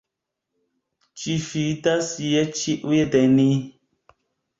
Ĝi fidas je ĉiuj de ni.